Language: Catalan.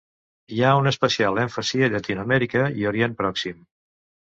Hi ha una especial èmfasi a Llatinoamèrica i Orient Pròxim.